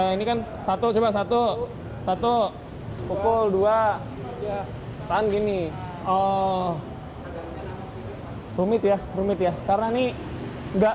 ini kan satu coba satu satu pukul dua ya kan gini oh rumit ya rumit ya karena ini enggak